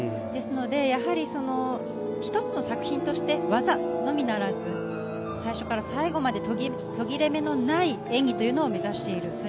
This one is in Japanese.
ですので、一つの作品として、技のみならず、最初から最後まで途切れ目のない演技というのを目指している。